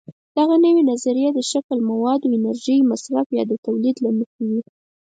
دغه نوې نظریې د شکل، موادو، انرژۍ مصرف یا د تولید له مخې وي.